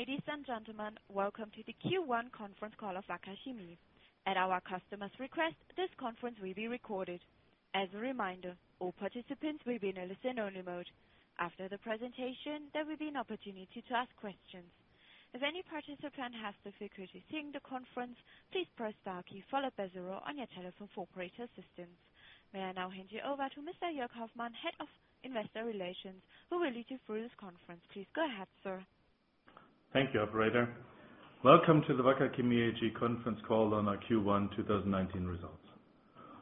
Dear ladies and gentlemen. Welcome to the Q1 conference call of Wacker Chemie. At our customer's request, this conference will be recorded. As a reminder, all participants will be in a listen-only mode. After the presentation, there will be an opportunity to ask questions. If any participant has difficulty hearing the conference, please press star key followed by zero on your telephone for operator assistance. May I now hand you over to Mr. Joerg Hoffmann, Head of Investor Relations, who will lead you through this conference. Please go ahead, sir. Thank you, operator. Welcome to the Wacker Chemie AG conference call on our Q1 2019 results.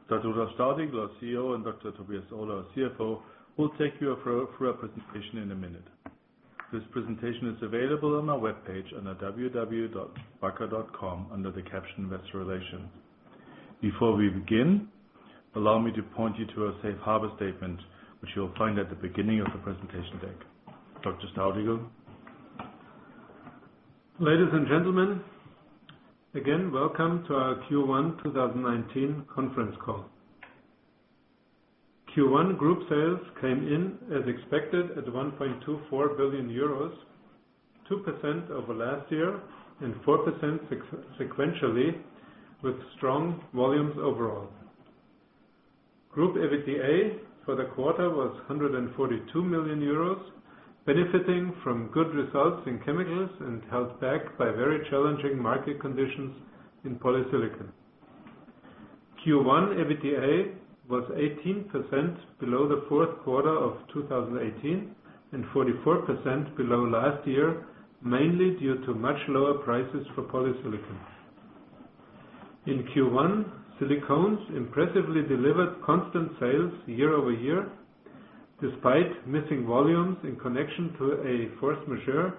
Dr. Rudolf Staudigl, our CEO, and Dr. Tobias Ohler, our CFO, will take you through our presentation in a minute. This presentation is available on our webpage under wacker.com under the caption Investor Relations. Before we begin, allow me to point you to our safe harbor statement, which you'll find at the beginning of the presentation deck. Dr. Staudigl. Ladies and gentlemen, again, welcome to our Q1 2019 conference call. Q1 group sales came in as expected at 1.24 billion euros, 2% over last year, and 4% sequentially with strong volumes overall. Group EBITDA for the quarter was 142 million euros, benefiting from good results in chemicals and held back by very challenging market conditions in polysilicon. Q1 EBITDA was 18% below the fourth quarter of 2018 and 44% below last year, mainly due to much lower prices for polysilicon. In Q1, Silicones impressively delivered constant sales year-over-year, despite missing volumes in connection to a force majeure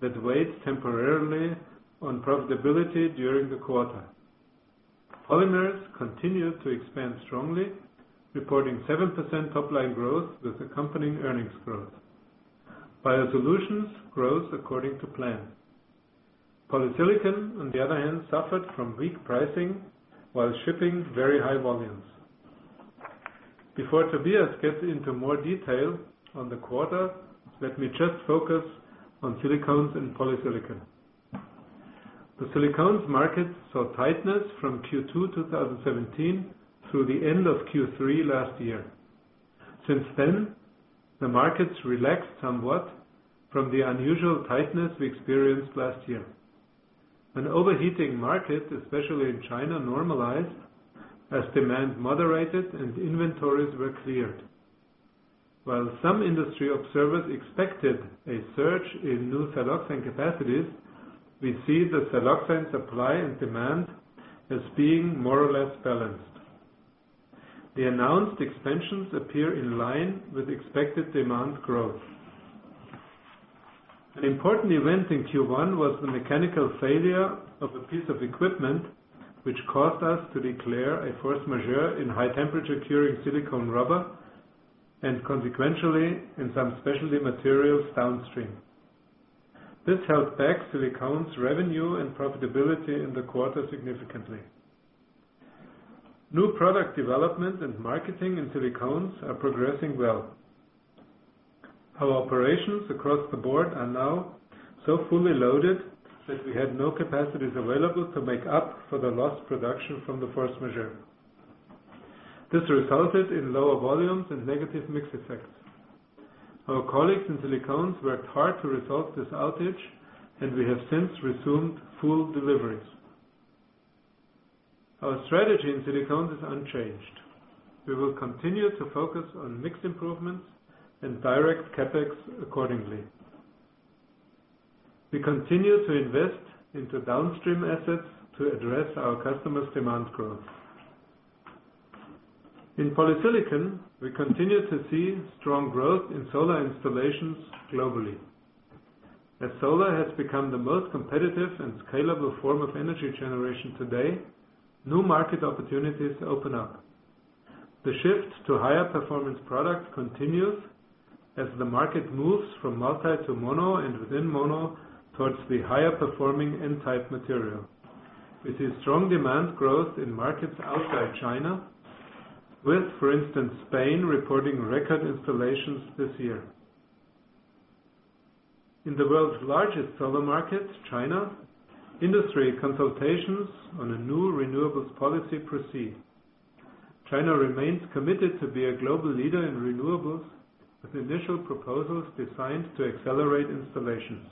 that weighed temporarily on profitability during the quarter. Polymers continued to expand strongly, reporting 7% top-line growth with accompanying earnings growth. Biosolutions grows according to plan. Polysilicon, on the other hand, suffered from weak pricing while shipping very high volumes. Before Tobias gets into more detail on the quarter, let me just focus on Silicones and polysilicon. The Silicones market saw tightness from Q2 2017 through the end of Q3 last year. Since then, the markets relaxed somewhat from the unusual tightness we experienced last year. An overheating market, especially in China, normalized as demand moderated and inventories were cleared. While some industry observers expected a surge in new siloxane capacities, we see the siloxane supply and demand as being more or less balanced. The announced expansions appear in line with expected demand growth. An important event in Q1 was the mechanical failure of a piece of equipment, which caused us to declare a force majeure in heat-curing silicone rubber and consequentially in some specialty materials downstream. This held back Silicones revenue and profitability in the quarter significantly. New product development and marketing in Silicones are progressing well. Our operations across the board are now so fully loaded that we had no capacities available to make up for the lost production from the force majeure. This resulted in lower volumes and negative mix effects. Our colleagues in silicones worked hard to resolve this outage, and we have since resumed full deliveries. Our strategy in silicones is unchanged. We will continue to focus on mix improvements and direct CapEx accordingly. We continue to invest into downstream assets to address our customers' demand growth. In polysilicon, we continue to see strong growth in solar installations globally. As solar has become the most competitive and scalable form of energy generation today, new market opportunities open up. The shift to higher performance products continues as the market moves from multi to mono and within mono towards the higher performing N-type material. We see strong demand growth in markets outside China with, for instance, Spain reporting record installations this year. In the world's largest solar market, China, industry consultations on a new renewables policy proceed. China remains committed to be a global leader in renewables, with initial proposals designed to accelerate installations.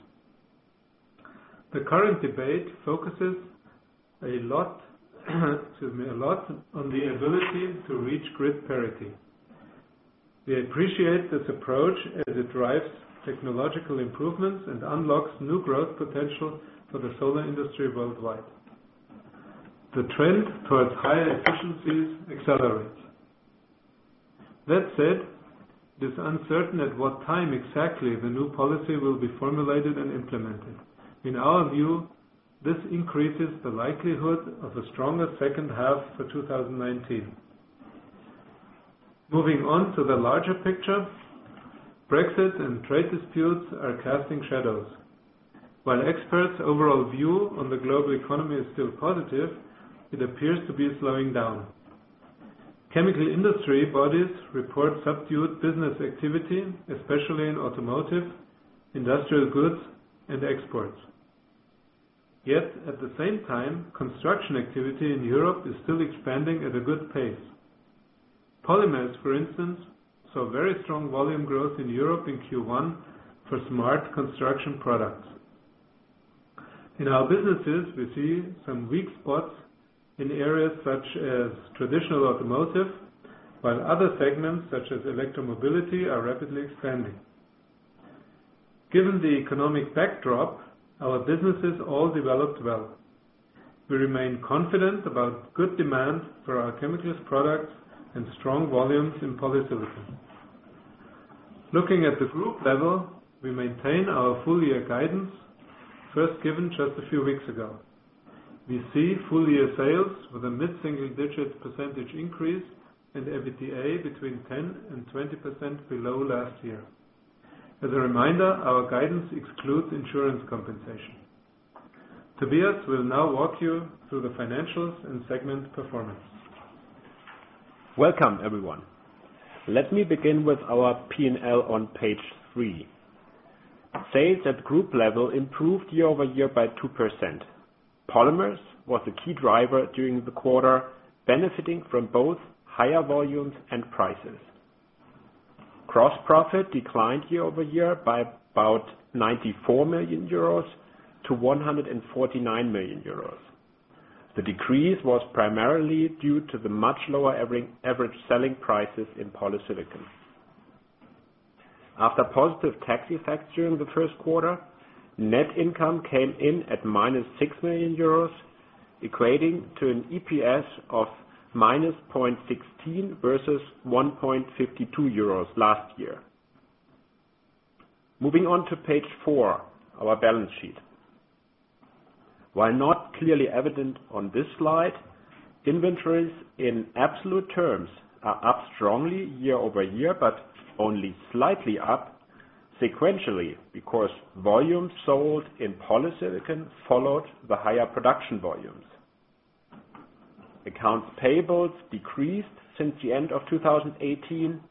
The current debate focuses a lot, excuse me, a lot on the ability to reach grid parity. We appreciate this approach as it drives technological improvements and unlocks new growth potential for the solar industry worldwide. The trend towards higher efficiencies accelerates. That said, it is uncertain at what time exactly the new policy will be formulated and implemented. In our view, this increases the likelihood of a stronger second half for 2019. Moving on to the larger picture, Brexit and trade disputes are casting shadows. While experts' overall view on the global economy is still positive, it appears to be slowing down. Chemical industry bodies report subdued business activity, especially in automotive, industrial goods, and exports. Yet at the same time, construction activity in Europe is still expanding at a good pace. Polymers, for instance, saw very strong volume growth in Europe in Q1 for smart construction products. In our businesses, we see some weak spots in areas such as traditional automotive, while other segments, such as electromobility, are rapidly expanding. Given the economic backdrop, our businesses all developed well. We remain confident about good demand for our chemicals products and strong volumes in polysilicon. Looking at the group level, we maintain our full-year guidance, first given just a few weeks ago. We see full-year sales with a mid-single digit percentage increase and EBITDA between 10% and 20% below last year. As a reminder, our guidance excludes insurance compensation. Tobias will now walk you through the financials and segment performance. Welcome, everyone. Let me begin with our P&L on page three. Sales at group level improved year-over-year by 2%. WACKER POLYMERS was the key driver during the quarter, benefiting from both higher volumes and prices. Gross profit declined year-over-year by about 94 million euros to 149 million euros. The decrease was primarily due to the much lower average selling prices in polysilicon. After positive tax effects during the first quarter, net income came in at minus 6 million euros, equating to an EPS of minus 0.16 versus 1.52 euros last year. Moving on to page four, our balance sheet. While not clearly evident on this slide, inventories in absolute terms are up strongly year-over-year, but only slightly up sequentially, because volumes sold in polysilicon followed the higher production volumes. Accounts payables decreased since the end of 2018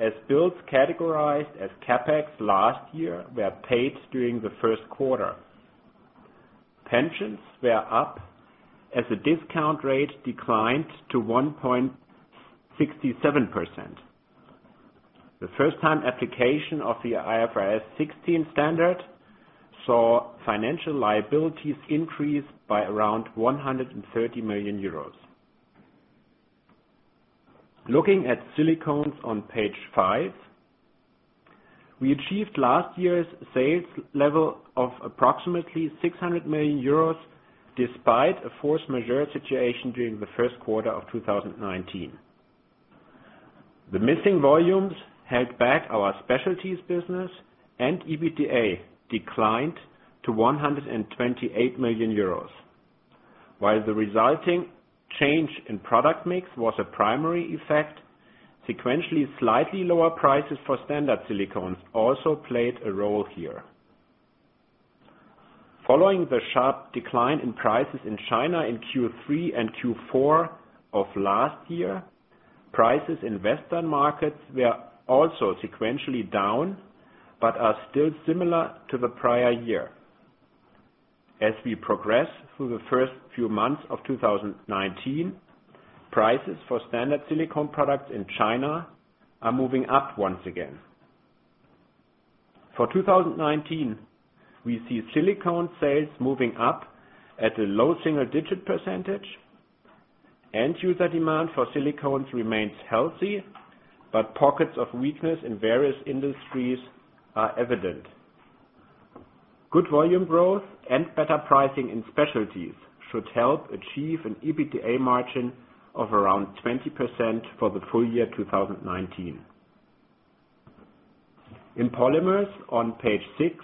as builds categorized as CapEx last year were paid during the first quarter. Pensions were up as the discount rate declined to 1.67%. The first-time application of the IFRS 16 standard saw financial liabilities increase by around 130 million euros. Looking at silicones on page five, we achieved last year's sales level of approximately 600 million euros, despite a force majeure situation during the first quarter of 2019. The missing volumes held back our specialties business and EBITDA declined to 128 million euros. While the resulting change in product mix was a primary effect, sequentially slightly lower prices for standard silicones also played a role here. Following the sharp decline in prices in China in Q3 and Q4 of last year, prices in Western markets were also sequentially down, but are still similar to the prior year. As we progress through the first few months of 2019, prices for standard silicone products in China are moving up once again. For 2019, we see silicone sales moving up at a low single-digit percentage. End user demand for silicones remains healthy, but pockets of weakness in various industries are evident. Good volume growth and better pricing in specialties should help achieve an EBITDA margin of around 20% for the full year 2019. In WACKER POLYMERS on page six,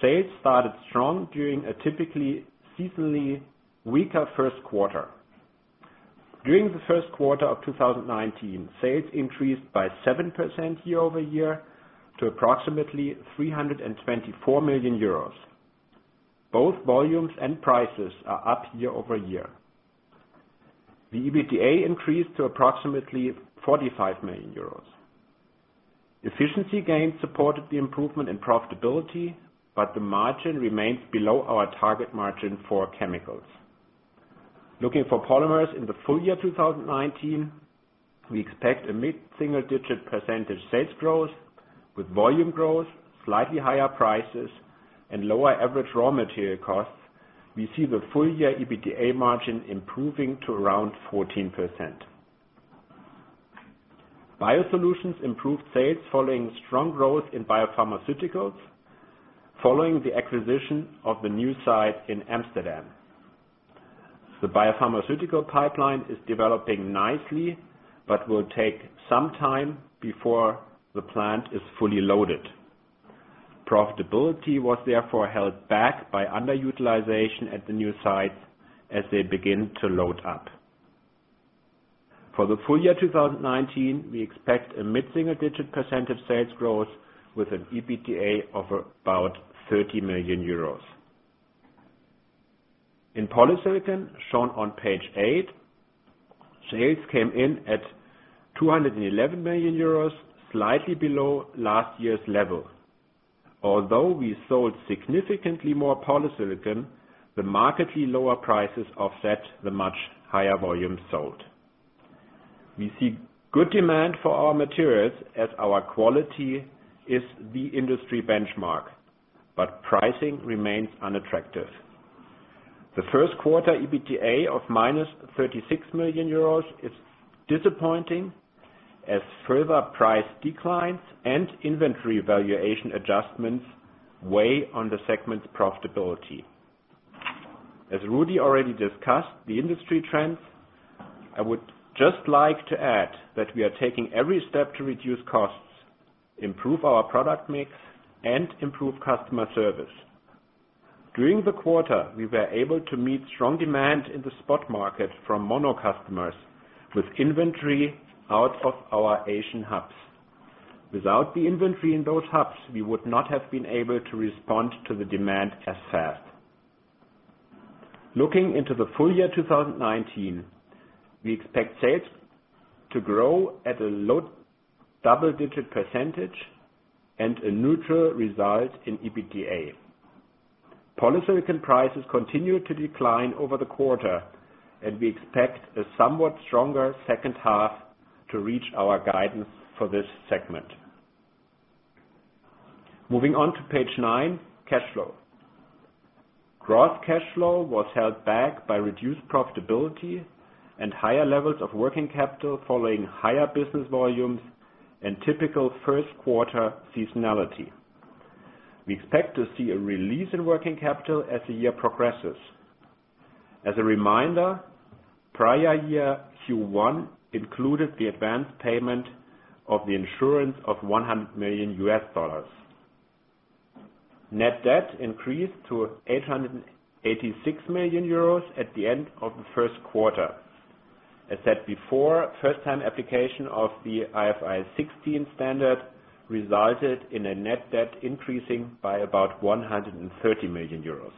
sales started strong during a typically seasonally weaker first quarter. During the first quarter of 2019, sales increased by 7% year-over-year to approximately 324 million euros. Both volumes and prices are up year-over-year. The EBITDA increased to approximately 45 million euros. Efficiency gains supported the improvement in profitability, but the margin remains below our target margin for chemicals. Looking for WACKER POLYMERS in the full year 2019, we expect a mid-single-digit percentage sales growth with volume growth, slightly higher prices, and lower average raw material costs. We see the full year EBITDA margin improving to around 14%. WACKER BIOSOLUTIONS improved sales following strong growth in biopharmaceuticals following the acquisition of the new site in Amsterdam. The biopharmaceutical pipeline is developing nicely but will take some time before the plant is fully loaded. Profitability was therefore held back by underutilization at the new sites as they begin to load up. For the full year 2019, we expect a mid-single-digit % of sales growth with an EBITDA of about EUR 30 million. In polysilicon, shown on page eight, sales came in at 211 million euros, slightly below last year's level. Although we sold significantly more polysilicon, the markedly lower prices offset the much higher volume sold. We see good demand for our materials as our quality is the industry benchmark, but pricing remains unattractive. The first quarter EBITDA of minus 36 million euros is disappointing, as further price declines and inventory valuation adjustments weigh on the segment's profitability. As Rudi already discussed the industry trends, I would just like to add that we are taking every step to reduce costs, improve our product mix, and improve customer service. During the quarter, we were able to meet strong demand in the spot market from mono customers with inventory out of our Asian hubs. Without the inventory in those hubs, we would not have been able to respond to the demand as fast. Looking into the full year 2019, we expect sales to grow at a low double-digit % and a neutral result in EBITDA. Polysilicon prices continued to decline over the quarter. We expect a somewhat stronger second half to reach our guidance for this segment. Moving on to page nine, cash flow. Gross cash flow was held back by reduced profitability and higher levels of working capital following higher business volumes and typical first quarter seasonality. We expect to see a release in working capital as the year progresses. As a reminder, prior year Q1 included the advanced payment of the insurance of $100 million. Net debt increased to 886 million euros at the end of the first quarter. As said before, first-time application of the IFRS 16 standard resulted in a net debt increasing by about 130 million euros.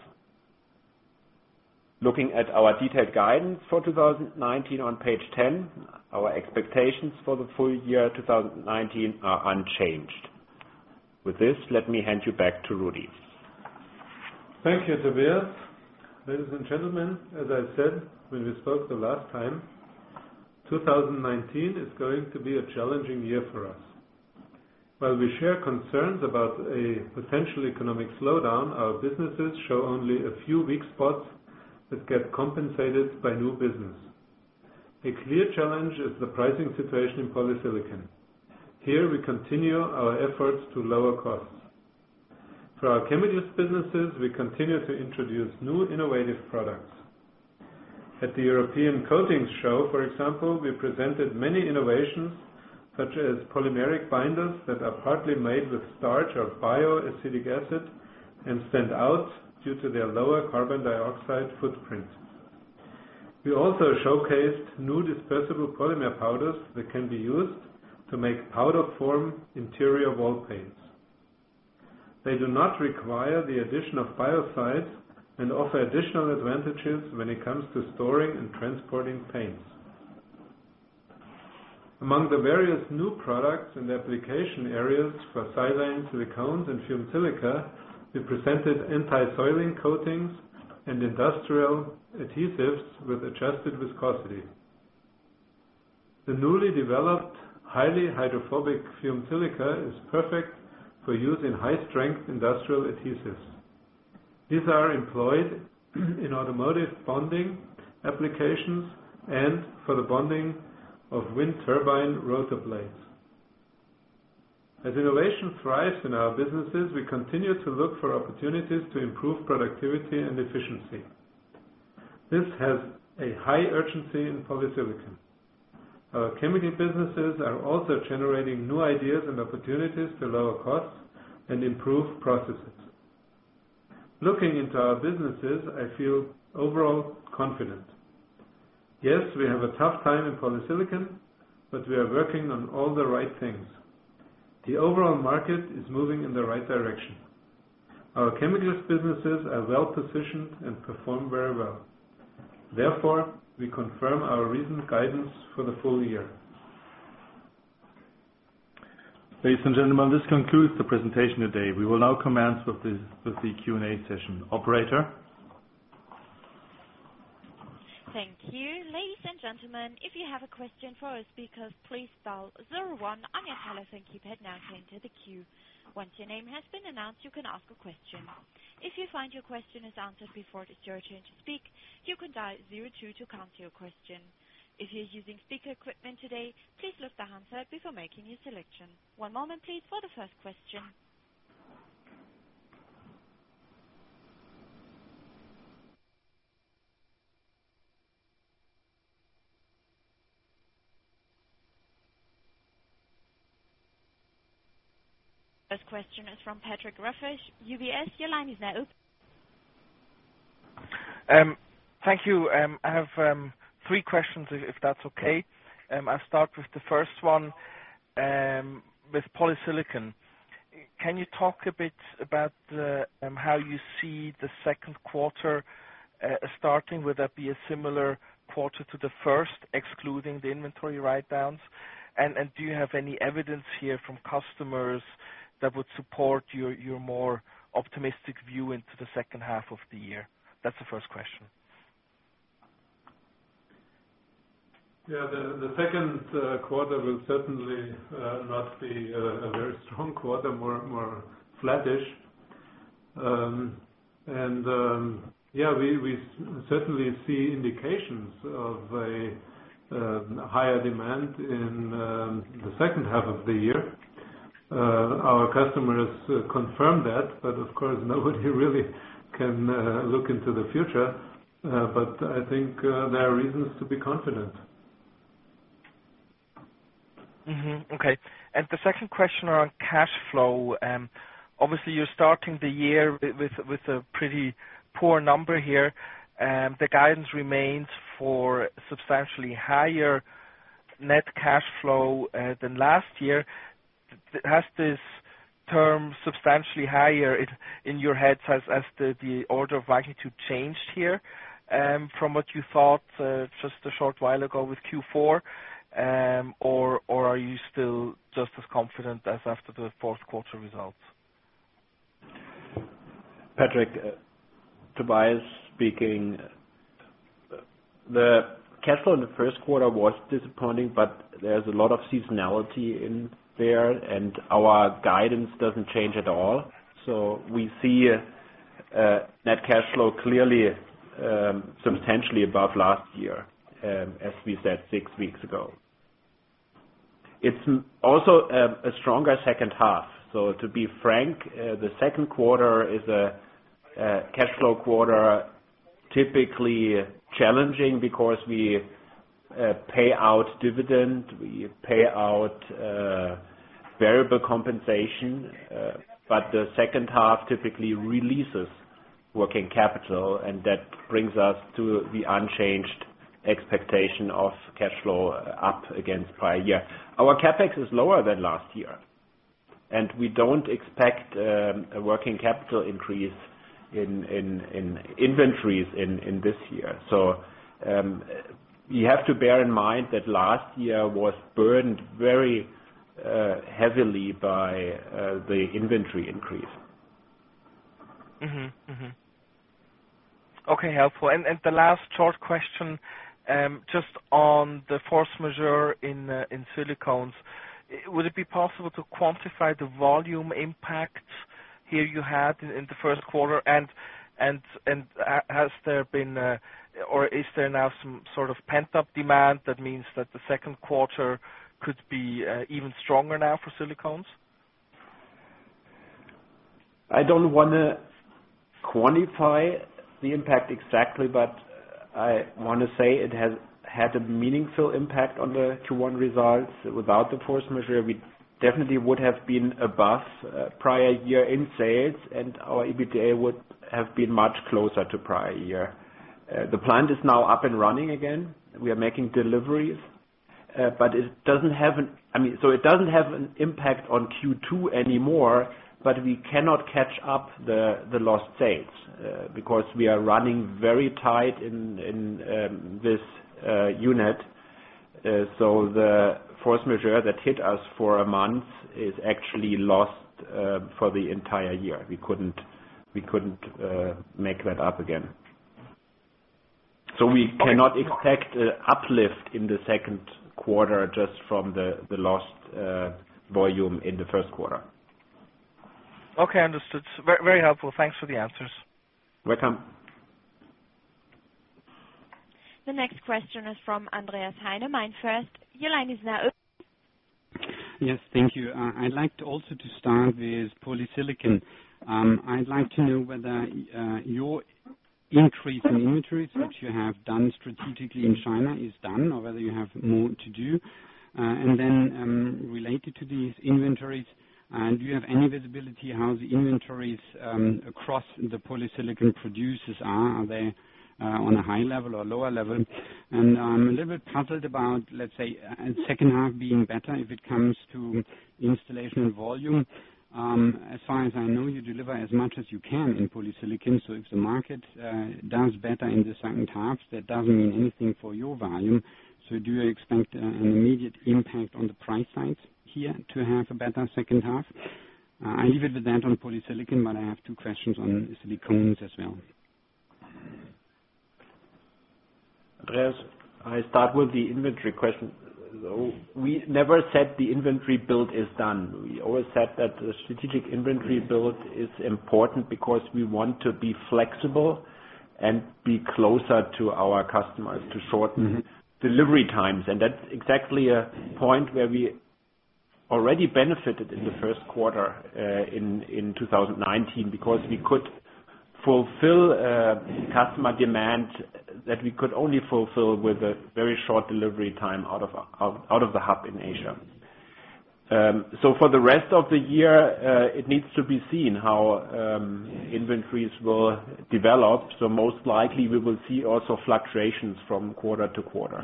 Looking at our detailed guidance for 2019 on page 10, our expectations for the full year 2019 are unchanged. With this, let me hand you back to Rudi. Thank you, Tobias. Ladies and gentlemen, as I said when we spoke the last time, 2019 is going to be a challenging year for us. While we share concerns about a potential economic slowdown, our businesses show only a few weak spots that get compensated by new business. A clear challenge is the pricing situation in polysilicon. Here, we continue our efforts to lower costs. For our chemicals businesses, we continue to introduce new innovative products. At the European Coatings Show, for example, we presented many innovations, such as polymeric binders that are partly made with starch or bio acetic acid and stand out due to their lower carbon dioxide footprint. We also showcased new dispersible polymer powders that can be used to make powder-form interior wall paints. They do not require the addition of biocides and offer additional advantages when it comes to storing and transporting paints. Among the various new products and application areas for silanes, silicones, and fumed silica, we presented anti-soiling coatings and industrial adhesives with adjusted viscosity. The newly developed highly hydrophobic fumed silica is perfect for use in high-strength industrial adhesives. These are employed in automotive bonding applications and for the bonding of wind turbine rotor blades. As innovation thrives in our businesses, we continue to look for opportunities to improve productivity and efficiency. This has a high urgency in polysilicon. Our chemical businesses are also generating new ideas and opportunities to lower costs and improve processes. Looking into our businesses, I feel overall confident. Yes, we have a tough time in polysilicon, but we are working on all the right things. The overall market is moving in the right direction. Our chemicals businesses are well-positioned and perform very well. We confirm our recent guidance for the full year. Ladies and gentlemen, this concludes the presentation today. We will now commence with the Q&A session. Operator? Thank you. Ladies and gentlemen, if you have a question for our speakers, please dial 01 on your telephone keypad now to enter the queue. Once your name has been announced, you can ask a question. If you find your question is answered before it is your turn to speak, you can dial 02 to cancel your question. If you're using speaker equipment today, please lift the handset before making your selection. One moment, please, for the first question. The first question is from Patrick Rafaisz, UBS. Your line is now open. Thank you. I have three questions, if that's okay. I'll start with the first one. With polysilicon, can you talk a bit about how you see the second quarter starting? Would that be a similar quarter to the first, excluding the inventory write-downs? Do you have any evidence here from customers that would support your more optimistic view into the second half of the year? That's the first question. The second quarter will certainly not be a very strong quarter, more flattish. We certainly see indications of a higher demand in the second half of the year. Our customers confirm that, but of course, nobody really can look into the future. I think there are reasons to be confident. Mm-hmm. Okay. The second question on cash flow. Obviously, you're starting the year with a pretty poor number here. The guidance remains for substantially higher net cash flow than last year. Has this term substantially higher in your head as the order of magnitude changed here from what you thought just a short while ago with Q4, or are you still just as confident as after the fourth quarter results? Patrick, Tobias speaking. The cash flow in the first quarter was disappointing, but there's a lot of seasonality in there, and our guidance doesn't change at all. We see net cash flow clearly substantially above last year, as we said 6 weeks ago. It's also a stronger second half. To be frank, the second quarter is a cash flow quarter, typically challenging because we pay out dividend, we pay out variable compensation. The second half typically releases working capital, and that brings us to the unchanged expectation of cash flow up against prior year. Our CapEx is lower than last year, and we don't expect a working capital increase in inventories in this year. You have to bear in mind that last year was burned very heavily by the inventory increase. Mm-hmm. Okay, helpful. The last short question, just on the force majeure in silicones. Would it be possible to quantify the volume impact here you had in the first quarter? Has there been, or is there now some sort of pent-up demand that means that the second quarter could be even stronger now for silicones? I don't want to quantify the impact exactly, but I want to say it has had a meaningful impact on the Q1 results. Without the force majeure, we definitely would have been above prior year in sales, and our EBITDA would have been much closer to prior year. The plant is now up and running again. We are making deliveries. It doesn't have an impact on Q2 anymore, but we cannot catch up the lost sales, because we are running very tight in this unit. The force majeure that hit us for a month is actually lost for the entire year. We couldn't make that up again. We cannot expect uplift in the second quarter just from the lost volume in the first quarter. Okay, understood. Very helpful. Thanks for the answers. Welcome. The next question is from Andreas Heine, MainFirst. Your line is now open. Yes. Thank you. I'd like to also start with polysilicon. I'd like to know whether your increase in inventories that you have done strategically in China is done or whether you have more to do. Related to these inventories, do you have any visibility how the inventories across the polysilicon producers are? Are they on a high level or lower level? I'm a little bit puzzled about, let's say, second half being better if it comes to installation volume. As far as I know, you deliver as much as you can in polysilicon. If the market does better in the second half, that doesn't mean anything for your volume. Do you expect an immediate impact on the price side here to have a better second half? I leave it at that on polysilicon, I have two questions on silicones as well. Andreas, I start with the inventory question. We never said the inventory build is done. We always said that the strategic inventory build is important because we want to be flexible and be closer to our customers to shorten delivery times. That's exactly a point where we already benefited in the first quarter in 2019, because we could fulfill customer demand that we could only fulfill with a very short delivery time out of the hub in Asia. For the rest of the year, it needs to be seen how inventories will develop. Most likely we will see also fluctuations from quarter to quarter.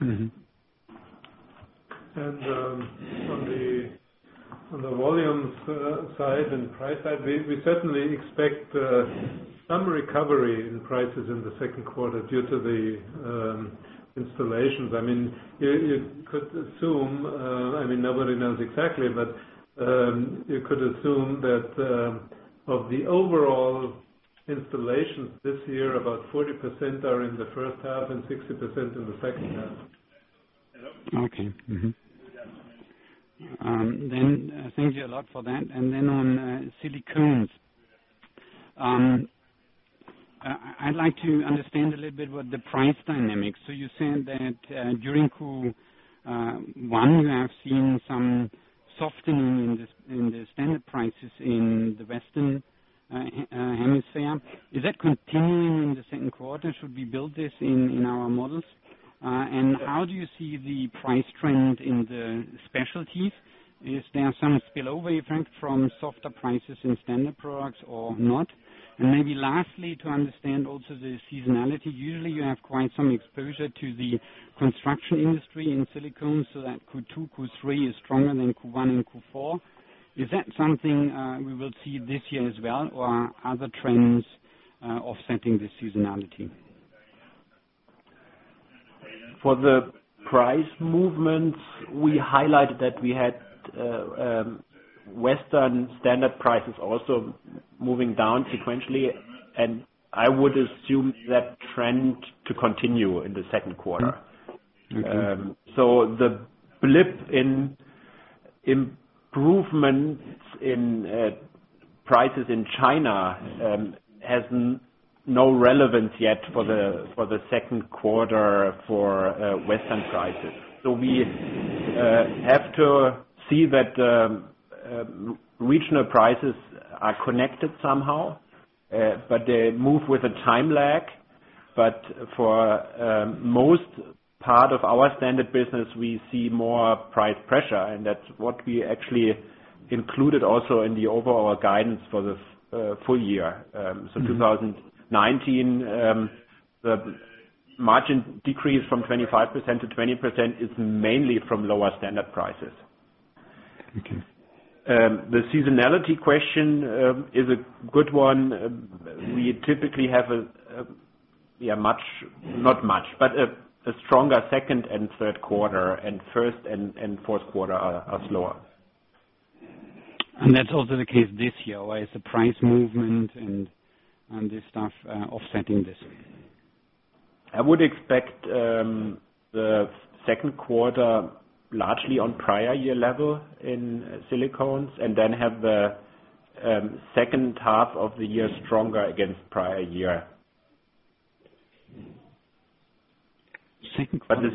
On the volumes side and price side, we certainly expect some recovery in prices in the second quarter due to the installations. You could assume, nobody knows exactly, but you could assume that of the overall installations this year, about 40% are in the first half and 60% in the second half. Okay. Mm-hmm. Thank you a lot for that. On silicones. I'd like to understand a little bit what the price dynamics. You're saying that during Q1, you have seen some softening in the standard prices in the Western Hemisphere. Is that continuing in the second quarter? Should we build this in our models? How do you see the price trend in the specialties? Is there some spillover effect from softer prices in standard products or not? Maybe lastly, to understand also the seasonality. Usually you have quite some exposure to the construction industry in silicone, so that Q2, Q3 is stronger than Q1 and Q4. Is that something we will see this year as well, or are other trends offsetting the seasonality? For the price movements, we highlighted that we had Western standard prices also moving down sequentially, I would assume that trend to continue in the second quarter. The blip in improvements in prices in China has no relevance yet for the second quarter for Western prices. We have to see that regional prices are connected somehow, but they move with a time lag. For most part of our standard business, we see more price pressure, that's what we actually included also in the overall guidance for the full year. 2019, the margin decrease from 25% to 20% is mainly from lower standard prices. Okay. The seasonality question is a good one. We typically have a stronger second and third quarter, and first and fourth quarter are slower. That's also the case this year. Why is the price movement and this stuff offsetting this? I would expect the second quarter largely on prior year level in silicones, and then have the second half of the year stronger against prior year. Second quarter.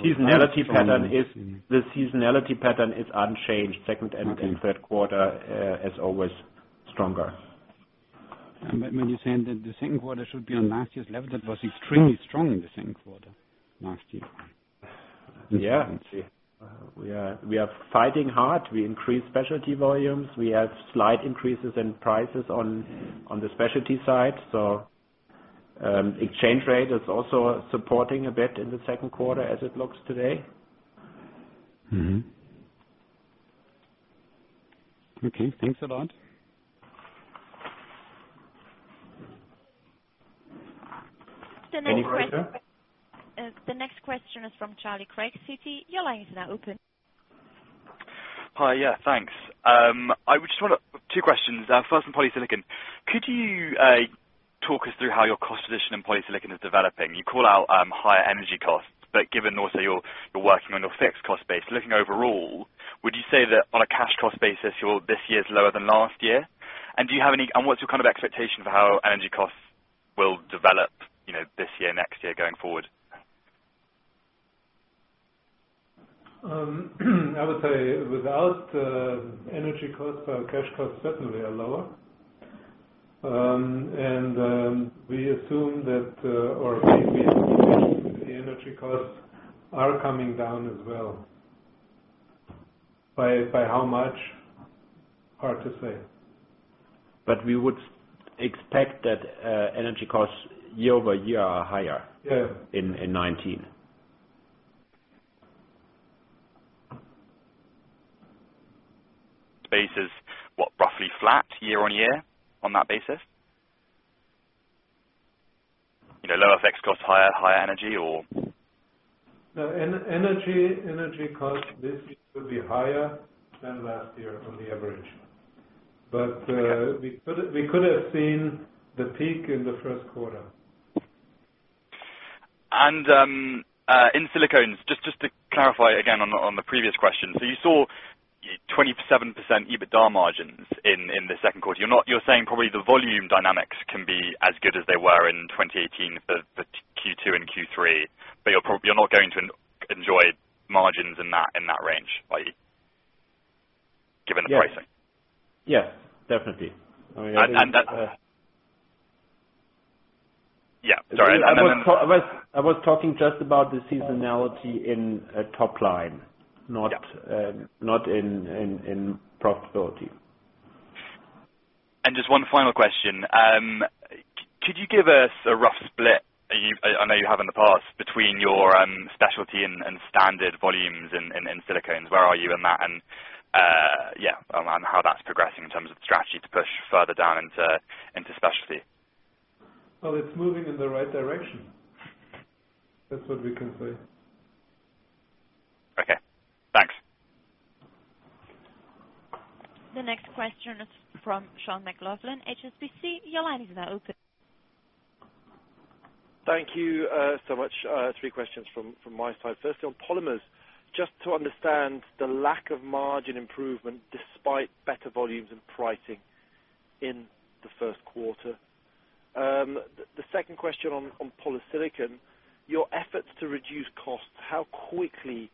The seasonality pattern is unchanged. Second and third quarter is always stronger. When you're saying that the second quarter should be on last year's level, that was extremely strong in the second quarter last year. Yeah. We are fighting hard. We increased specialty volumes. We have slight increases in prices on the specialty side. Exchange rate is also supporting a bit in the second quarter as it looks today. Mm-hmm. Okay, thanks a lot. Any further. The next question is from Charlie Craig, Citi. Your line is now open. Hi. Yeah, thanks. I just want two questions. First, on polysilicon. Could you talk us through how your cost position in polysilicon is developing? You call out higher energy costs, but given also you're working on your fixed cost base, looking overall, would you say that on a cash cost basis, this year is lower than last year? What's your expectation for how energy costs will develop this year, next year, going forward? I would say without energy costs, our cash costs certainly are lower. We assume that, or we assume the energy costs are coming down as well. By how much? Hard to say. We would expect that energy costs year-over-year are higher. Yeah in 2019. Basis, what, roughly flat year-on-year on that basis? Lower fixed costs, higher energy or? No, energy costs this year could be higher than last year on the average. We could have seen the peak in the first quarter. In silicones, just to clarify again on the previous question. You saw 27% EBITDA margins in the second quarter. You're saying probably the volume dynamics can be as good as they were in 2018 for Q2 and Q3, you're not going to enjoy margins in that range, given the pricing. Yes, definitely. Yeah, sorry. I was talking just about the seasonality in top line- Yeah not in profitability. Just one final question. Could you give us a rough split, I know you have in the past, between your specialty and standard volumes in silicones? Where are you in that and how that's progressing in terms of the strategy to push further down into specialty? Well, it's moving in the right direction. That's what we can say. Okay, thanks. The next question is from Sean McLoughlin, HSBC. Your line is now open. Thank you so much. Three questions from my side. Firstly, on polymers, just to understand the lack of margin improvement despite better volumes and pricing in the first quarter. The second question on polysilicon, your efforts to reduce costs, how quickly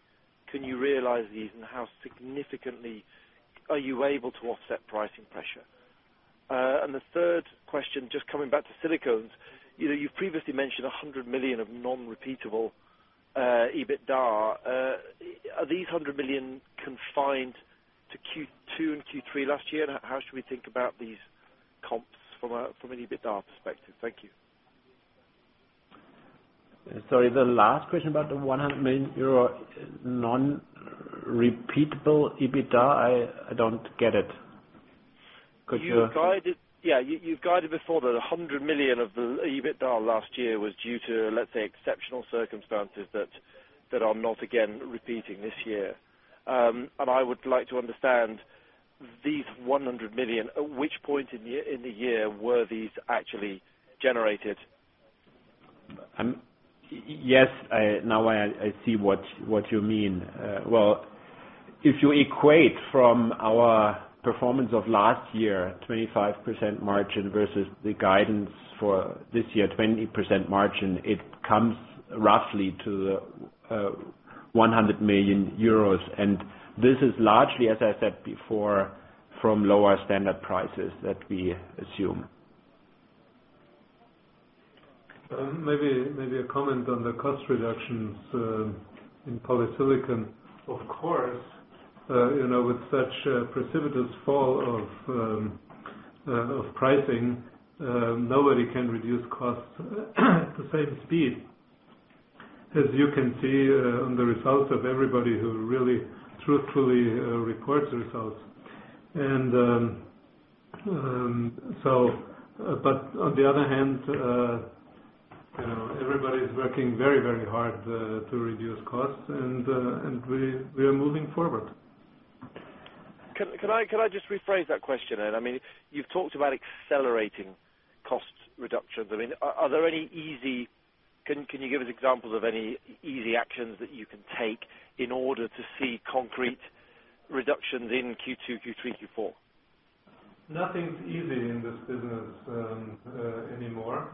can you realize these and how significantly are you able to offset pricing pressure? The third question, just coming back to silicones, you've previously mentioned 100 million of non-repeatable EBITDA. Are these 100 million confined to Q2 and Q3 last year? How should we think about these comps from an EBITDA perspective? Thank you. Sorry. The last question about the 100 million euro non-repeatable EBITDA, I don't get it. You guided before that 100 million of the EBITDA last year was due to, let's say, exceptional circumstances that are not again repeating this year. I would like to understand these 100 million, at which point in the year were these actually generated? Yes. Now I see what you mean. Well, if you equate from our performance of last year, 25% margin versus the guidance for this year, 20% margin, it comes roughly to 100 million euros. This is largely, as I said before, from lower standard prices that we assume. Maybe a comment on the cost reductions in polysilicon. Of course, with such a precipitous fall of pricing, nobody can reduce costs at the same speed. As you can see on the results of everybody who really truthfully reports results. On the other hand, everybody's working very hard to reduce costs, and we are moving forward. Can I just rephrase that question then? You've talked about accelerating cost reductions. Can you give us examples of any easy actions that you can take in order to see concrete reductions in Q2, Q3, Q4? Nothing's easy in this business anymore.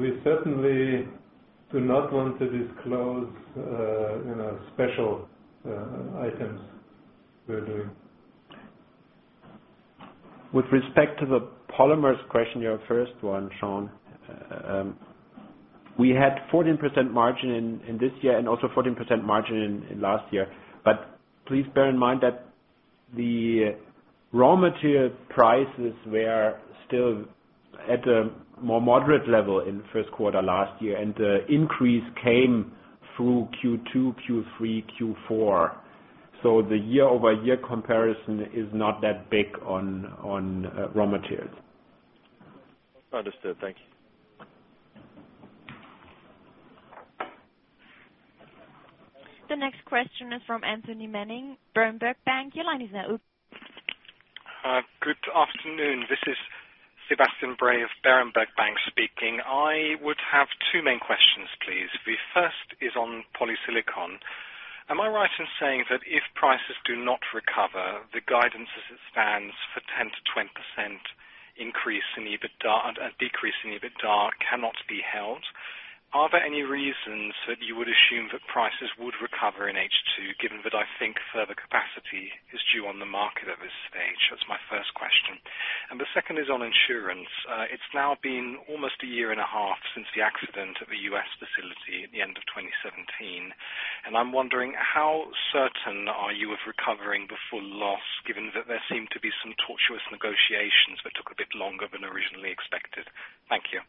We certainly do not want to disclose special items we're doing. With respect to the polymers question, your first one, Sean. We had 14% margin in this year and also 14% margin in last year. Please bear in mind that the raw material prices were still at a more moderate level in the first quarter last year, and the increase came through Q2, Q3, Q4. The year-over-year comparison is not that big on raw materials. Understood. Thank you. The next question is from Anthony Manning, Berenberg Bank. Your line is now open. Good afternoon. This is Sebastian Bray of Berenberg Bank speaking. I would have two main questions, please. The first is on polysilicon. Am I right in saying that if prices do not recover, the guidance as it stands for 10%-20% decrease in EBITDA cannot be held? Are there any reasons that you would assume that prices would recover in H2, given that I think further capacity is due on the market at this stage? That's my first question. The second is on insurance. It's now been almost a year and a half since the accident at the U.S. facility at the end of 2017. I'm wondering how certain are you of recovering the full loss, given that there seemed to be some tortuous negotiations that took a bit longer than originally expected? Thank you.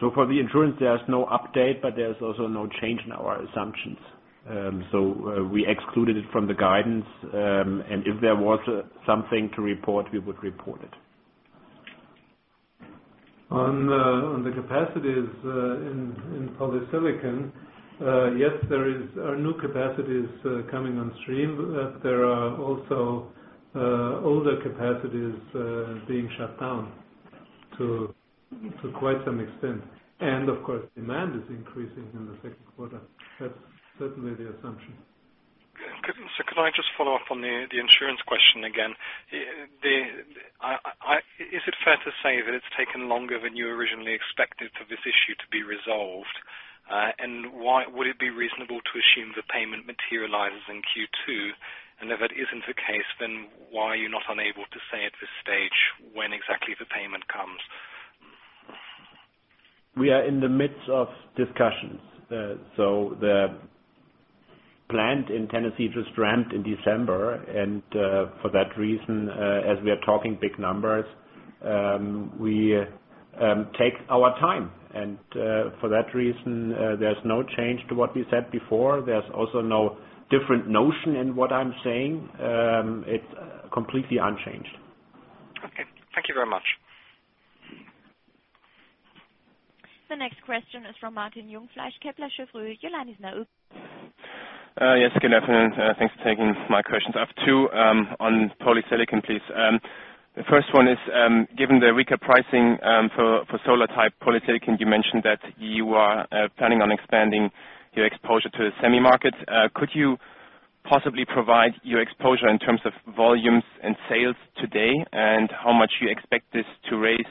For the insurance, there is no update, but there's also no change in our assumptions. We excluded it from the guidance, and if there was something to report, we would report it. On the capacities in polysilicon, yes, there are new capacities coming on stream. There are also older capacities being shut down to quite some extent. Of course, demand is increasing in the second quarter. That's certainly the assumption. Could I just follow up on the insurance question again? Is it fair to say that it's taken longer than you originally expected for this issue to be resolved? Would it be reasonable to assume the payment materializes in Q2? If that isn't the case, then why are you not unable to say at this stage when exactly the payment comes? We are in the midst of discussions. The plant in Tennessee just ramped in December, for that reason, as we are talking big numbers, we take our time. For that reason, there's no change to what we said before. There's also no different notion in what I'm saying. It's completely unchanged. Okay. Thank you very much. The next question is from Martin Jungfleisch, Kepler Cheuvreux. Your line is now open. Yes, good afternoon. Thanks for taking my questions. I have two on polysilicon, please. The first one is, given the weaker pricing for solar-type polysilicon, you mentioned that you are planning on expanding your exposure to the semi market. Could you possibly provide your exposure in terms of volumes and sales today, and how much you expect this to raise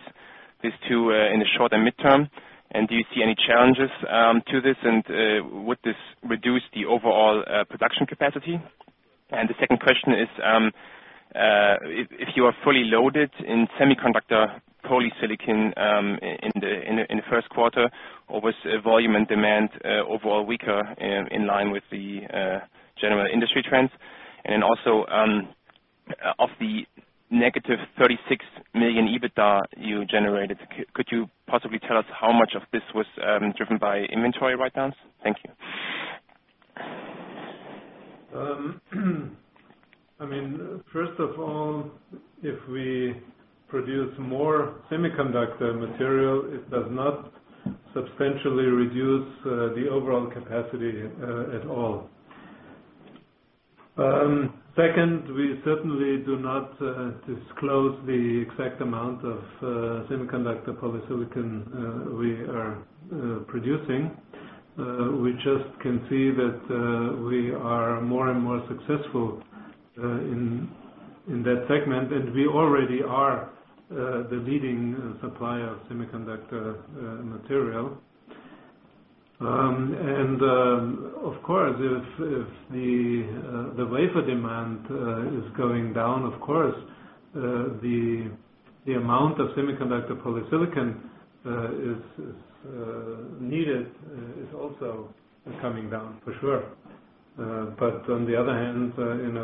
this to in the short and midterm, and do you see any challenges to this, and would this reduce the overall production capacity? The second question is, if you are fully loaded in semiconductor-grade polysilicon in the first quarter, or was volume and demand overall weaker in line with the general industry trends? Of the negative 36 million EBITDA you generated, could you possibly tell us how much of this was driven by inventory write-downs? Thank you. First of all, if we produce more semiconductor material, it does not substantially reduce the overall capacity at all. Second, we certainly do not disclose the exact amount of semiconductor-grade polysilicon we are producing. We just can see that we are more and more successful in that segment, and we already are the leading supplier of semiconductor material. If the wafer demand is going down, of course, the amount of semiconductor-grade polysilicon needed is also coming down for sure. On the other hand,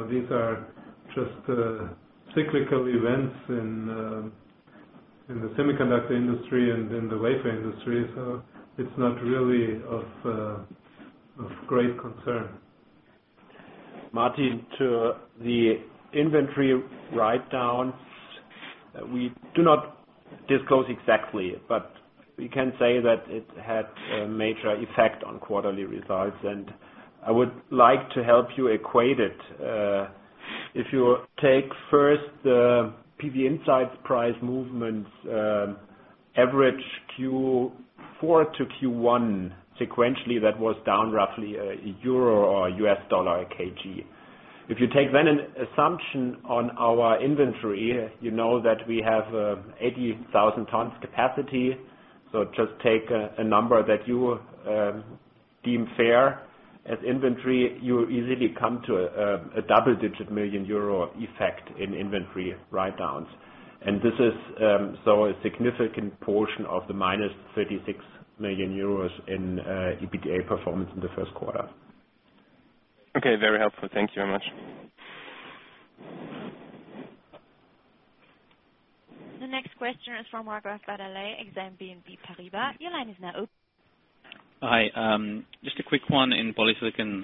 these are just cyclical events in the semiconductor industry and in the wafer industry, so it's not really of great concern. Martin, to the inventory write-down, we do not disclose exactly, but we can say that it had a major effect on quarterly results, and I would like to help you equate it. If you take first the PVinsights price movements, average Q4 to Q1 sequentially, that was down roughly EUR 1 or $1 a kg. If you take an assumption on our inventory, you know that we have 80,000 tons capacity. Just take a number that you deem fair as inventory. You easily come to a double-digit million EUR effect in inventory write-downs. This is a significant portion of the minus 36 million euros in EBITDA performance in the first quarter. Okay, very helpful. Thank you very much. The next question is from Marc Grasdadell, Exane BNP Paribas. Your line is now open. Hi. Just a quick one in polysilicon.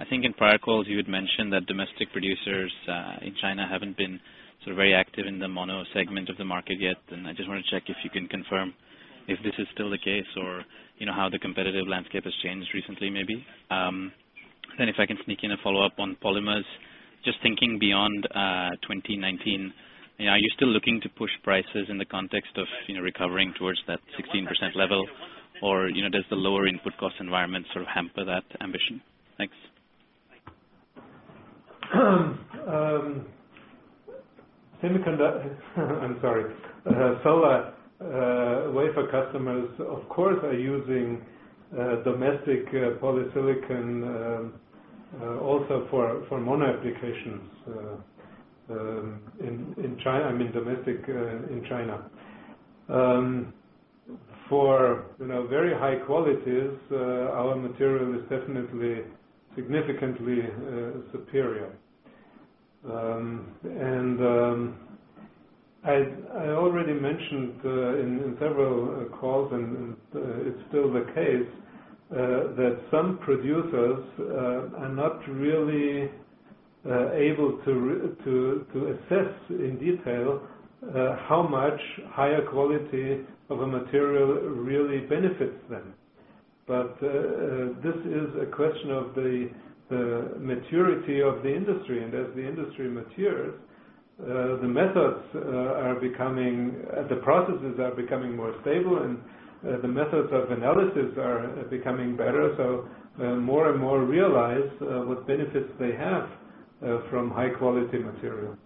I think in prior calls you had mentioned that domestic producers in China haven't been very active in the mono segment of the market yet, I just want to check if you can confirm if this is still the case or how the competitive landscape has changed recently maybe. If I can sneak in a follow-up on polymers, just thinking beyond 2019, are you still looking to push prices in the context of recovering towards that 16% level, or does the lower input cost environment sort of hamper that ambition? Thanks. Solar wafer customers, of course, are using domestic polysilicon, also for mono applications in China. For very high qualities, our material is definitely significantly superior. I already mentioned in several calls, and it's still the case, that some producers are not really able to assess in detail how much higher quality of a material really benefits them. This is a question of the maturity of the industry. As the industry matures. The processes are becoming more stable, and the methods of analysis are becoming better. More and more realize what benefits they have from high-quality material.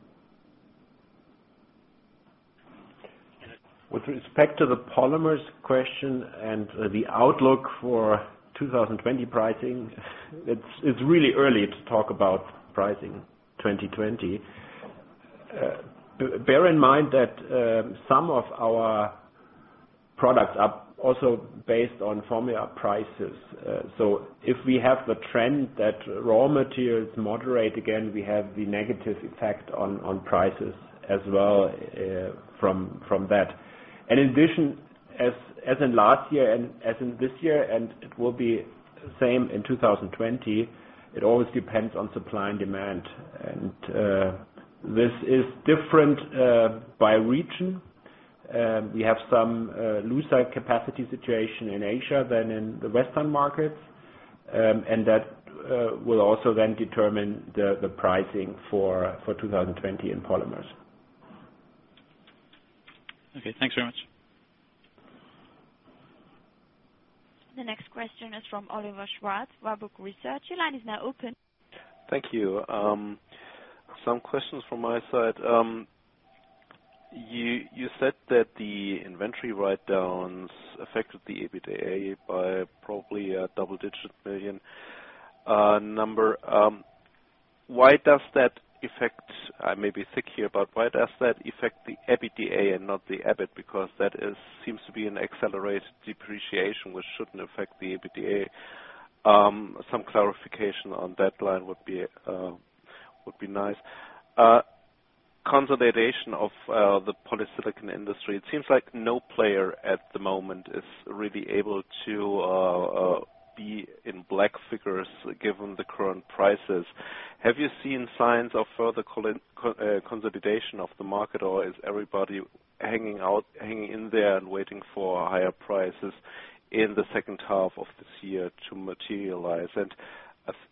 With respect to the polymers question and the outlook for 2020 pricing, it is really early to talk about pricing 2020. Bear in mind that some of our products are also based on formula prices. If we have the trend that raw materials moderate again, we have the negative effect on prices as well from that. In addition, as in last year and as in this year, and it will be same in 2020, it always depends on supply and demand. This is different by region. We have some looser capacity situation in Asia than in the Western markets. That will also then determine the pricing for 2020 in polymers. Okay. Thanks very much. The next question is from Oliver Schwarz, Warburg Research. Your line is now open. Thank you. Some questions from my side. You said that the inventory writedowns affected the EBITDA by probably a double-digit million number. I may be thick here, but why does that affect the EBITDA and not the EBIT? That seems to be an accelerated depreciation, which shouldn't affect the EBITDA. Some clarification on that line would be nice. Consolidation of the polysilicon industry. It seems like no player at the moment is really able to be in black figures given the current prices. Have you seen signs of further consolidation of the market, or is everybody hanging in there and waiting for higher prices in the second half of this year to materialize?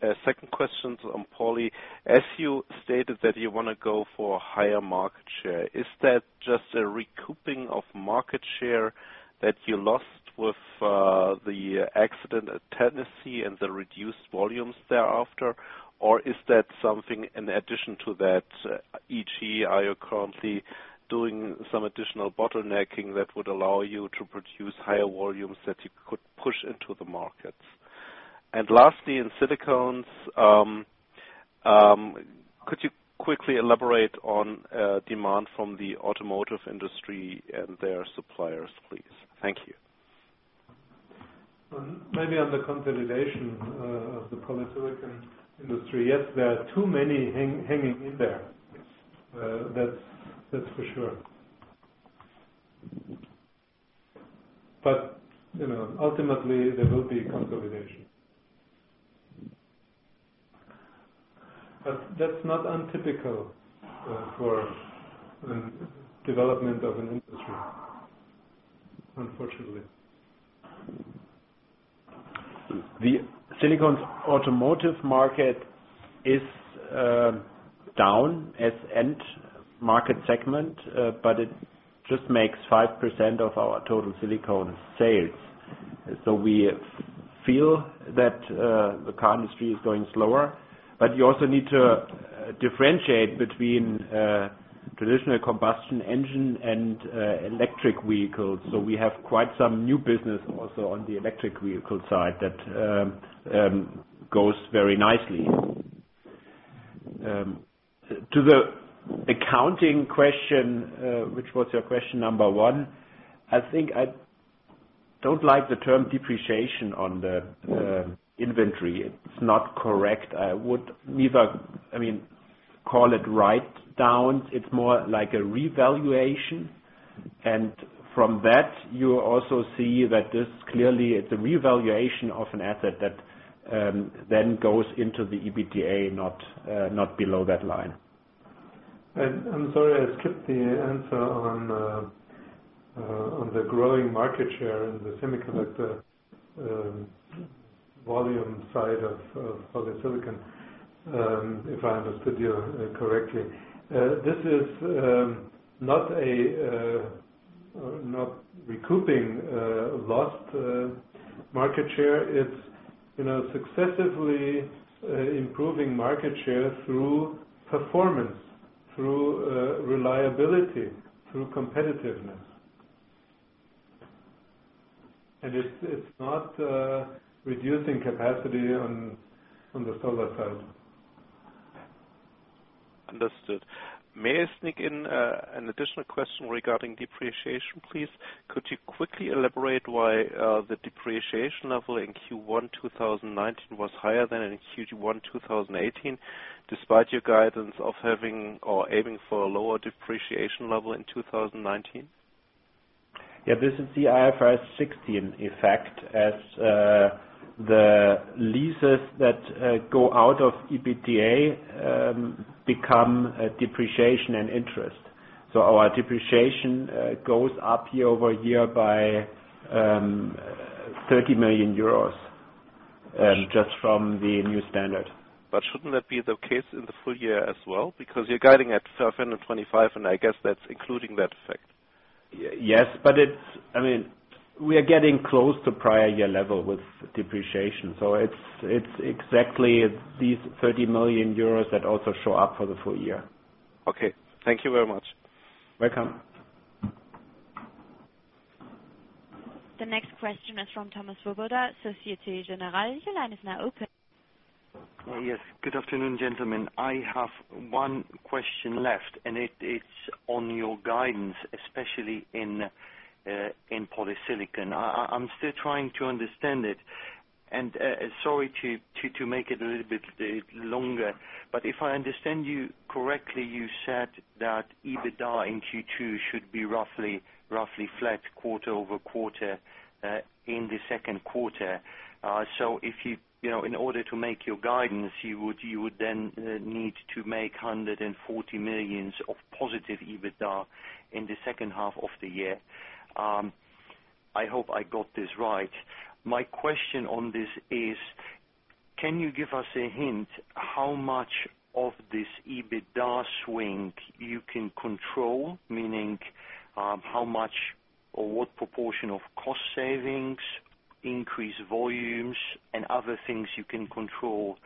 A second question on poly. As you stated that you want to go for higher market share, is that just a recouping of market share that you lost with the accident at Tennessee and the reduced volumes thereafter, or is that something in addition to that, e.g., are you currently doing some additional bottlenecking that would allow you to produce higher volumes that you could push into the markets? Lastly, in silicones, could you quickly elaborate on demand from the automotive industry and their suppliers, please? Thank you. Maybe on the consolidation of the polysilicon industry. Yes, there are too many hanging in there. That's for sure. Ultimately, there will be consolidation. That's not untypical for development of an industry, unfortunately. The silicones automotive market is down as end market segment, but it just makes 5% of our total silicone sales. We feel that the car industry is going slower. You also need to differentiate between traditional combustion engine and electric vehicles. We have quite some new business also on the electric vehicle side that goes very nicely. To the accounting question, which was your question number 1, I think I don't like the term depreciation on the inventory. It's not correct. I would neither call it write down. It's more like a revaluation. From that, you also see that this clearly is a revaluation of an asset that then goes into the EBITDA, not below that line. I'm sorry, I skipped the answer on the growing market share in the semiconductor volume side of polysilicon, if I understood you correctly. This is not recouping lost market share. It's successively improving market share through performance, through reliability, through competitiveness. It's not reducing capacity on the solar side. Understood. May I sneak in an additional question regarding depreciation, please? Could you quickly elaborate why the depreciation level in Q1 2019 was higher than in Q1 2018, despite your guidance of having or aiming for a lower depreciation level in 2019? Yeah, this is the IFRS 16 effect as the leases that go out of EBITDA become depreciation and interest. Our depreciation goes up year-over-year by 30 million euros. Just from the new standard. Shouldn't that be the case in the full year as well? Because you're guiding at 725, and I guess that's including that effect. Yes. We are getting close to prior year level with depreciation. It's exactly these 30 million euros that also show up for the full year. Okay. Thank you very much. Welcome. The next question is from Thomas Swoboda, Societe Generale. Your line is now open. Yes. Good afternoon, gentlemen. I have one question left, it's on your guidance, especially in polysilicon. I'm still trying to understand it, sorry to make it a little bit longer, but if I understand you correctly, you said that EBITDA in Q2 should be roughly flat quarter-over-quarter, in the second quarter. In order to make your guidance, you would then need to make 140 million of positive EBITDA in the second half of the year. I hope I got this right. My question on this is, can you give us a hint how much of this EBITDA swing you can control? Meaning, how much or what proportion of cost savings, increased volumes, and other things you can control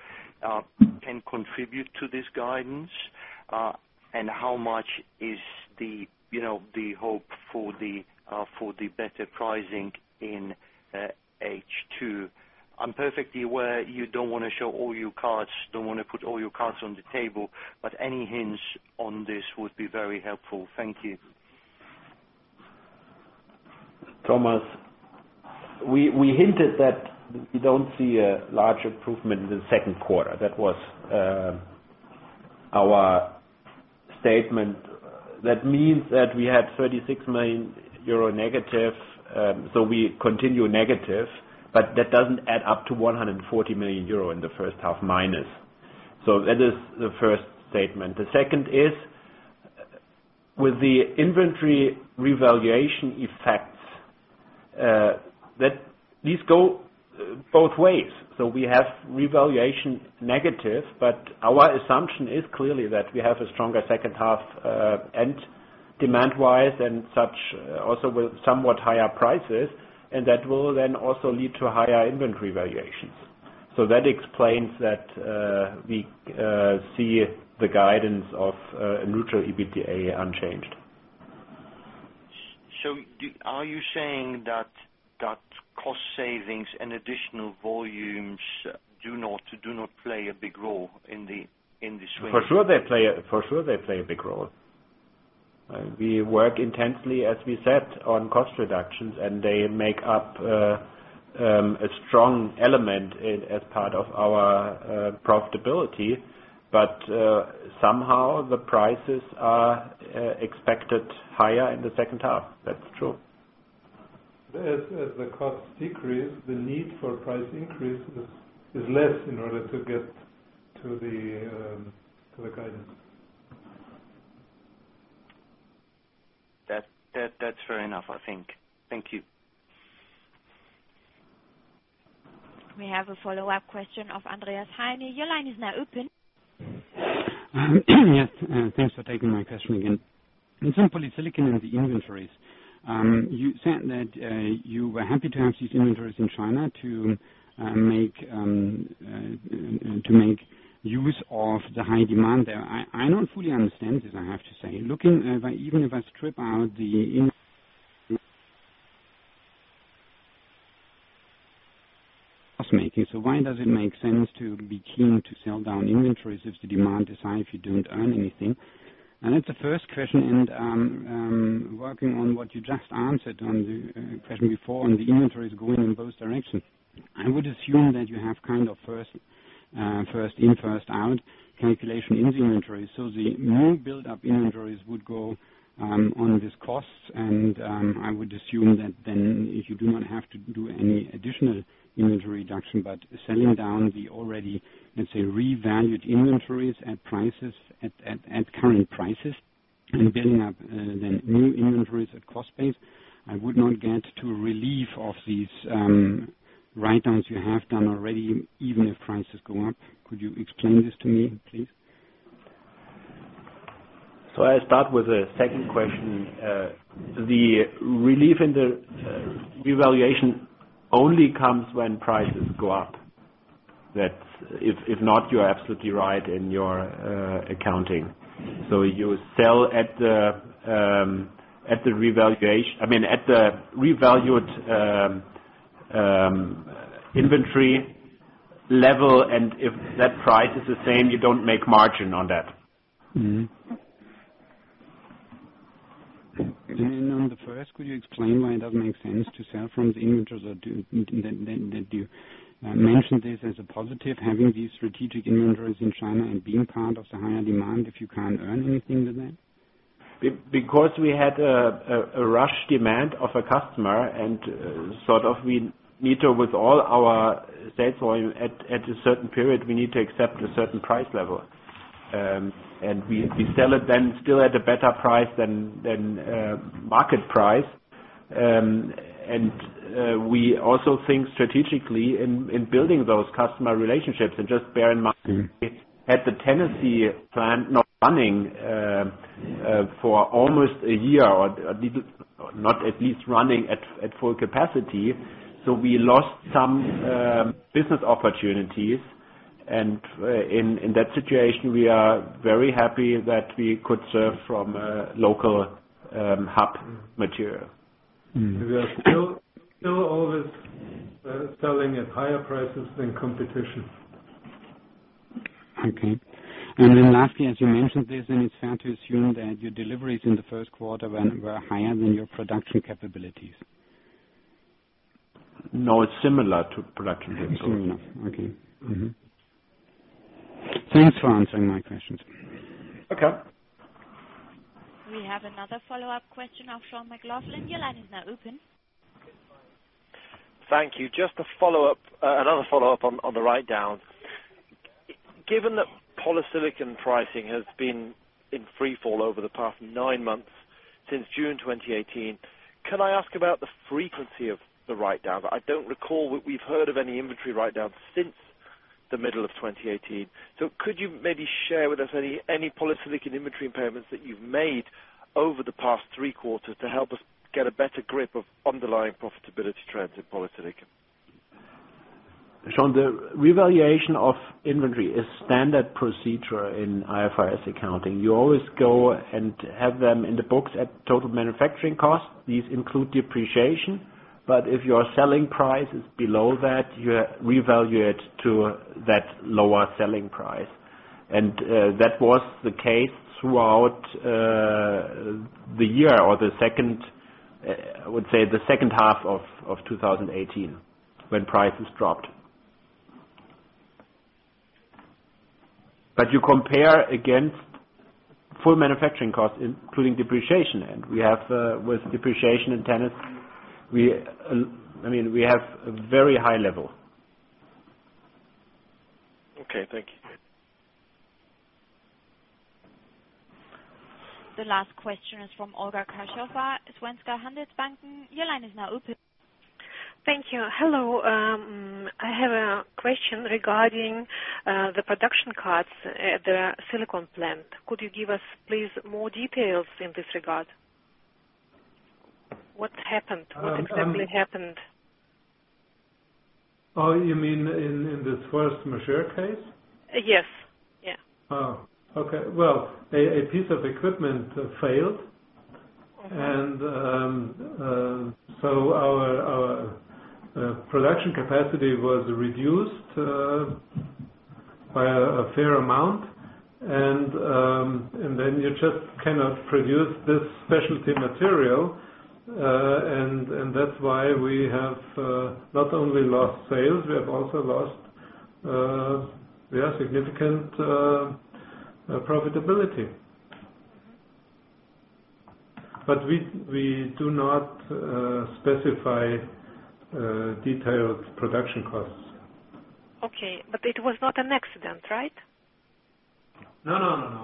can contribute to this guidance, how much is the hope for the better pricing in H2? I'm perfectly aware you don't want to show all your cards, don't want to put all your cards on the table. Any hints on this would be very helpful. Thank you. Thomas, we hinted that we do not see a large improvement in the second quarter. That was our statement. That means that we had 36 million euro negative. We continue negative, but that does not add up to 140 million euro in the first half minus. That is the first statement. The second is, with the inventory revaluation effects, these go both ways. We have revaluation negative, but our assumption is clearly that we have a stronger second half end demand-wise and such, also with somewhat higher prices, and that will then also lead to higher inventory valuations. That explains that we see the guidance of neutral EBITDA unchanged. Are you saying that cost savings and additional volumes do not play a big role in the swing? For sure they play a big role. We work intensely, as we said, on cost reductions, and they make up a strong element as part of our profitability. Somehow the prices are expected higher in the second half. That is true. As the costs decrease, the need for price increases is less in order to get to the guidance. That's fair enough, I think. Thank you. We have a follow-up question of Andreas Heine. Your line is now open. Yes. Thanks for taking my question again. On polysilicon and the inventories. You said that you were happy to have these inventories in China to make use of the high demand there. I don't fully understand this, I have to say. Even if I strip out the cost-making. Why does it make sense to be keen to sell down inventories if the demand is high, if you don't earn anything? That's the first question. Working on what you just answered on the question before on the inventories going in both directions. I would assume that you have First-In, First-Out calculation in the inventories. The new build-up inventories would go on these costs. I would assume that then if you do not have to do any additional inventory reduction, but selling down the already, let's say, revalued inventories at current prices and building up the new inventories at cost base, I would not get to relief of these write-downs you have done already, even if prices go up. Could you explain this to me, please? I start with the second question. The relief in the revaluation only comes when prices go up. If not, you're absolutely right in your accounting. You sell at the revalued inventory level, and if that price is the same, you don't make margin on that. On the first, could you explain why it doesn't make sense to sell from the inventories? That you mention this as a positive, having these strategic inventories in China and being part of the higher demand, if you can't earn anything with that? We had a rush demand of a customer, and we need to, with all our sales volume at a certain period, we need to accept a certain price level. We sell it then still at a better price than market priceAnd we also think strategically in building those customer relationships. Just bear in mind, we had the Tennessee plant not running for almost a year, or not at least running at full capacity, so we lost some business opportunities. In that situation, we are very happy that we could serve from a local hub material. We are still always selling at higher prices than competition. Okay. Lastly, as you mentioned this, it's fair to assume that your deliveries in the first quarter were higher than your production capabilities. No, it's similar to production capabilities. Similar. Okay. Mm-hmm. Thanks for answering my questions. Okay. We have another follow-up question from Sean McLoughlin. Your line is now open. Thank you. Just another follow-up on the write-down. Given that polysilicon pricing has been in free fall over the past nine months, since June 2018, can I ask about the frequency of the write-down? I don't recall that we've heard of any inventory write-down since the middle of 2018. Could you maybe share with us any polysilicon inventory impairments that you've made over the past three quarters to help us get a better grip of underlying profitability trends in polysilicon? Sean, the revaluation of inventory is standard procedure in IFRS accounting. You always go and have them in the books at total manufacturing costs. These include depreciation, but if your selling price is below that, you revalue it to that lower selling price. That was the case throughout the year, or I would say, the second half of 2018, when prices dropped. You compare against full manufacturing costs, including depreciation. With depreciation in Tennessee, we have a very high level. Okay, thank you. The last question is from Olga Kashafa, Svenska Handelsbanken. Your line is now open. Thank you. Hello. I have a question regarding the production cuts at the silicon plant. Could you give us, please, more details in this regard? What happened? What exactly happened? Oh, you mean in this force majeure case? Yes. Yeah. Oh, okay. Well, a piece of equipment failed. Our production capacity was reduced by a fair amount, and then you just cannot produce this specialty material. That's why we have not only lost sales, we have also lost significant profitability. We do not specify detailed production costs. Okay. It was not an accident, right? No,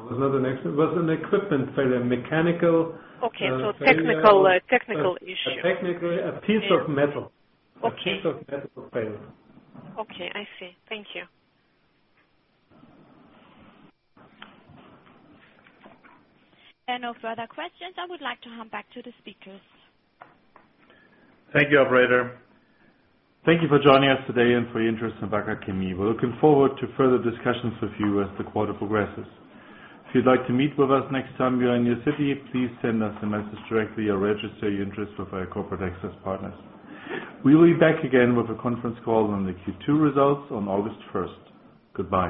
it was not an accident. It was an equipment failure. Okay. A technical issue. A piece of metal. Okay. A piece of metal failed. Okay, I see. Thank you. There are no further questions. I would like to hand back to the speakers. Thank you, operator. Thank you for joining us today and for your interest in Wacker Chemie. We're looking forward to further discussions with you as the quarter progresses. If you'd like to meet with us next time we are in your city, please send us a message directly or register your interest with our corporate access partners. We will be back again with a conference call on the Q2 results on August 1st. Goodbye